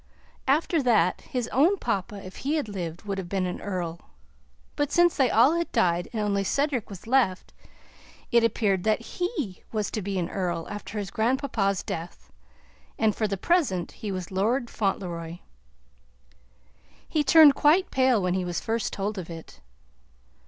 After that, his own papa, if he had lived, would have been an earl, but, since they all had died and only Cedric was left, it appeared that HE was to be an earl after his grandpapa's death and for the present he was Lord Fauntleroy. He turned quite pale when he was first told of it.